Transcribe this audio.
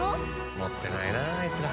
持ってないなあいつら。